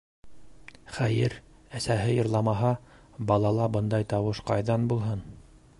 Хәйер, әсәһе йырламаһа, балала бындай тауыш ҡайҙан булһын?